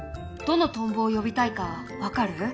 どのトンボを呼びたいか分かる？